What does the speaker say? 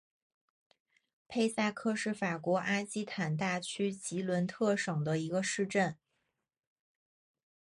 佩萨克是法国阿基坦大区吉伦特省的一个市镇。